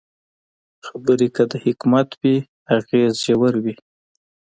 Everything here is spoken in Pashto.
خبرې که د حکمت وي، اغېز ژور وي